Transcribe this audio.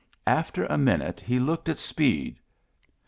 After a minute he looked at Speed.